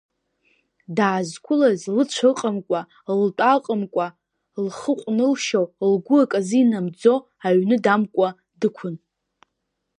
Даазқәылаз, лыцәа ыҟамкәа, лтәа ыҟамкәа, лхы ҟәнылшьо, лгәы аказы инамӡо, аҩны дамкуа дықәын.